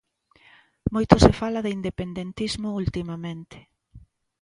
Moito se fala de independentismo ultimamente.